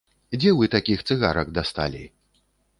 Дзе вы такіх цыгарак дасталі?